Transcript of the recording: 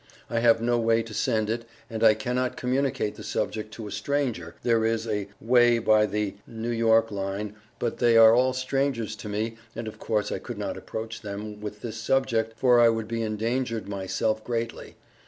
I have no way to send it, and I cannot communicate the subject to a stranger there is a Way by the N.y. line, but they are all strangers to me, and of course I could not approach them With this subject for I would be indangered myself greatly.